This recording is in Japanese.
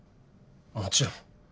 もちろん。